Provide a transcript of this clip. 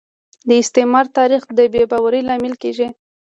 د استعمار تاریخ د بې باورۍ لامل کیږي